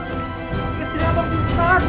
pabrik tiga bang pun tahan